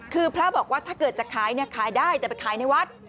คือพระบอกว่าถ้าเกิดจะขายขายได้แต่ไปขายในวัด